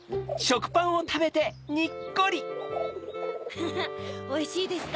フフっおいしいですか？